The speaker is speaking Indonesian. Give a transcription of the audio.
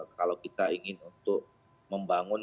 kalau kita ingin untuk membangun